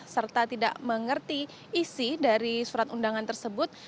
serta tidak mengerti isi dari surat undangan tersebut